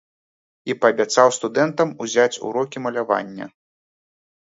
І паабяцаў студэнтам узяць урокі малявання.